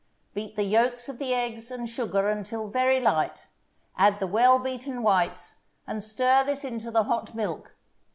Beat the yolks of the eggs and sugar until very light, add the well beaten whites, and stir this into the hot milk.